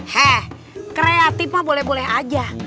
hea kreatif mah boleh boleh aja